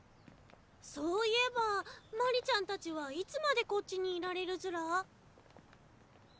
そういえば鞠莉ちゃんたちはいつまでこっちにいられるずら？